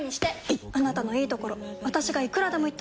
いっあなたのいいところ私がいくらでも言ってあげる！